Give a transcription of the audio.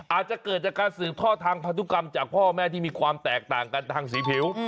อาจจะเกิดจากการสืบทอดทางพันธุกรรมจากพ่อแม่ที่มีความแตกต่างกันทางสีผิว